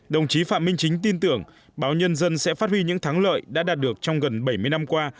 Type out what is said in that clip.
đồng chí phạm minh chính tin tưởng báo nhân dân sẽ phát huy những thắng lợi đã đạt được trong gần bảy mươi năm qua